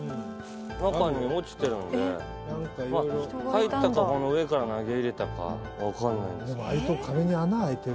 入ったかこの上から投げ入れたか分かんない。